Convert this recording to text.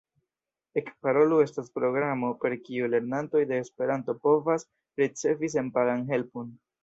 Ekparolu estas programo, per kiu lernantoj de Esperanto povas ricevi senpagan helpon.